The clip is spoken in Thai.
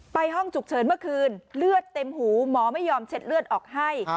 ห้องฉุกเฉินเมื่อคืนเลือดเต็มหูหมอไม่ยอมเช็ดเลือดออกให้